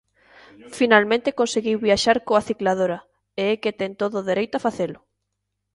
Finalmente conseguíu viaxar coa cicladora, e é que ten todo o dereito a facelo.